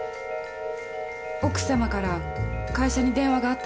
奥さまから会社に電話があったので。